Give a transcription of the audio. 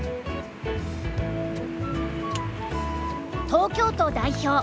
東京都代表